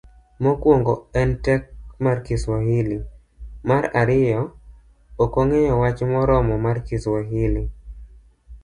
mokuongo en tek mar kiswahili .mar ariyo. Okong'eyo wach moromo mar kiswahili.